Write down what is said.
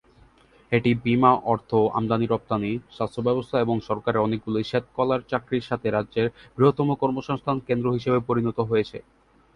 এটি বীমা, অর্থ, আমদানি-রফতানি, স্বাস্থ্যসেবা এবং সরকারের অনেকগুলি শ্বেত-কলার চাকরির সাথে রাজ্যের বৃহত্তম কর্মসংস্থান কেন্দ্র হিসাবে পরিণত হয়েছে।